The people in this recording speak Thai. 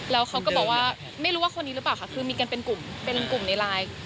แล้วเขาก็บอกว่าไม่รู้ว่าคนนี้หรือเปล่าค่ะคือมีกันเป็นกลุ่มเป็นกลุ่มในไลน์